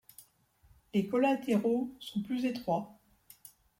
Les collatéraux sont plus étroits.